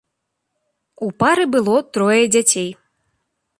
У пары было трое дзяцей.